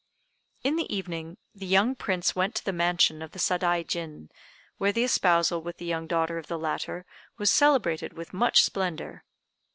In the evening the young Prince went to the mansion of the Sadaijin, where the espousal with the young daughter of the latter was celebrated with much splendor.